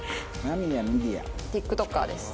ＴｉｋＴｏｋｅｒです。